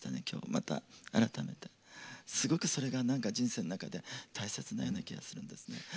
きょう、また改めてすごく、それが人生の中で大切なような気がするんですよね。